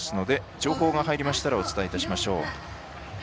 情報が入りましたらお伝えしましょう。